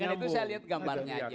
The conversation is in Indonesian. karena itu saya lihat gambarnya saja